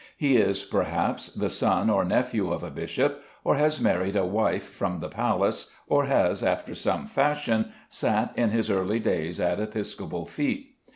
He is, perhaps, the son or nephew of a bishop, or has married a wife from the palace, or has, after some fashion, sat in his early days at episcopal feet.